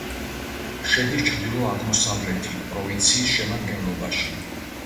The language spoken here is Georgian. შედის ჩრდილო-აღმოსავლეთი პროვინციის შემადგენლობაში.